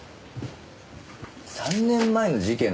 ３年前の事件の資料？